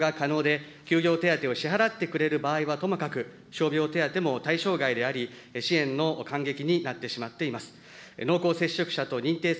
事業者が雇用調整助成金の利用が可能で、休業手当を支払ってくれる場合はともかく、傷病手当も対象外であり、支援の間隙になってしまっています。